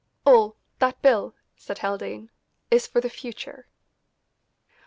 "All, that bill," said Haldane, "is for the future."